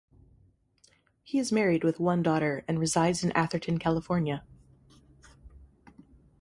He is married with one daughter and resides in Atherton, California.